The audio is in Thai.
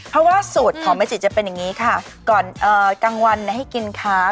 เพราะว่าสูตรของแม่จิจะเป็นอย่างนี้ค่ะก่อนกลางวันให้กินค้า